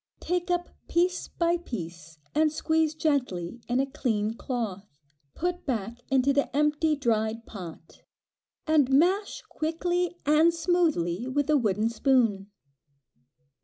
Take up piece by piece, and squeeze gently in a clean cloth, put back into the empty dried pot, and mash quickly and smoothly with a wooden spoon.